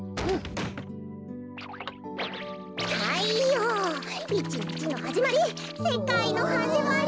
たいよういちにちのはじまりせかいのはじまり。